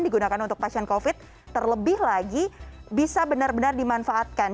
digunakan untuk pasien covid terlebih lagi bisa benar benar dimanfaatkan